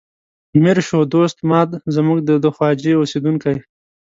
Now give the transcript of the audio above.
میر شو دوست ماد زموږ د ده خواجې اوسیدونکی و.